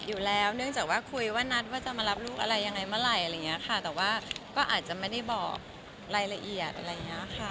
อยู่แล้วเนื่องจากว่าคุยว่านัดว่าจะมารับลูกอะไรยังไงเมื่อไหร่อะไรอย่างเงี้ยค่ะแต่ว่าก็อาจจะไม่ได้บอกรายละเอียดอะไรอย่างเงี้ยค่ะ